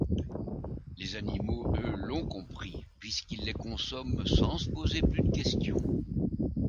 Les animaux eux l’ont compris puisqu’ils les consomment sans se poser plus de questions.